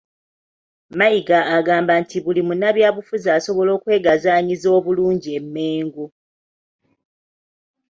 Mayiga agamba nti buli munnabyabufuzi asobola okwegazanyiza obulungi e Mmengo